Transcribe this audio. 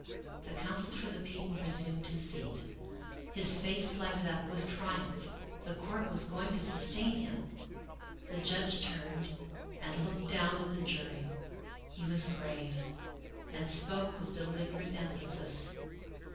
The counsel for the People resumed his seat. His face lighted up with triumph. The Court was going to sustain him. The judge turned and looked down at the jury. He was grave, and spoke with deliberate emphasis.